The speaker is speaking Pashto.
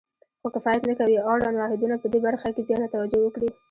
خو کفایت نه کوي او اړوند واحدونه پدې برخه کې زیاته توجه وکړي.